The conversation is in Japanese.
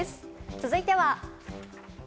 続いては。